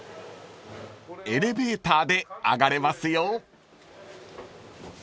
［エレベーターで上がれますよ］